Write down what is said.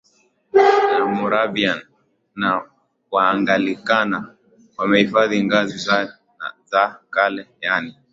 na Wamoravian na Waanglikana wamehifadhi ngazi za kale yaani